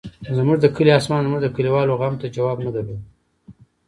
زموږ د کلي اسمان زموږ د کلیوالو غم ته جواب نه درلود.